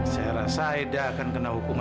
saya rasa aida akan kena hukum